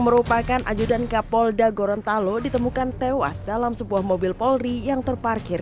merupakan ajudan kapolda gorontalo ditemukan tewas dalam sebuah mobil polri yang terparkir